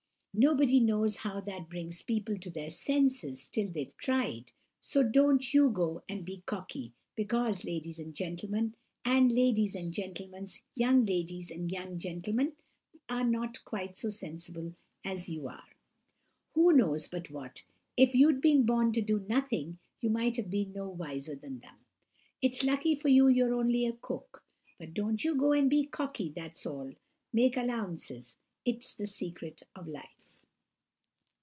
Nobody knows how that brings people to their senses till they've tried; so don't you go and be cocky, because ladies and gentlemen, and ladies' and gentlemen's young ladies and young gentlemen, are not quite so sensible as you are. Who knows but what, if you'd been born to do nothing, you might have been no wiser than them! It's lucky for you you're only a cook; but don't you go and be cocky, that's all! Make allowances; it's the secret of life!